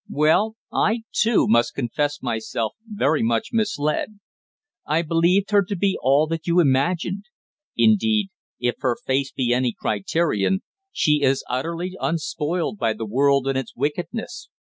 Well, I, too, must confess myself very much misled. I believed her to be all that you imagined; indeed, if her face be any criterion, she is utterly unspoiled by the world and its wickedness.